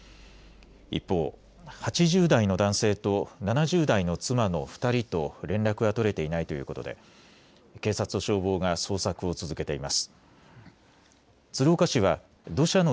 一方、８０代の男性と７０代の妻の２人と連絡が取れていないということで警察と消防が捜索を続けています。